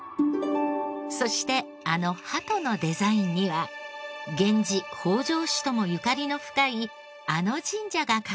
そしてあの鳩のデザインには源氏北条氏ともゆかりの深いあの神社が関係しています。